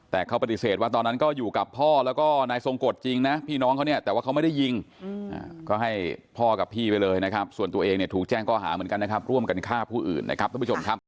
แต่เขาปฏิเสธว่าตอนนั้นก็อยู่กับพ่อแล้วก็นายทรงกฎจริงนะพี่น้องเขาเนี่ย